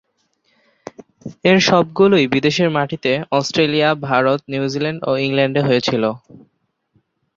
এর সবগুলোই বিদেশের মাটিতে অস্ট্রেলিয়া, ভারত, নিউজিল্যান্ড ও ইংল্যান্ডে হয়েছিল।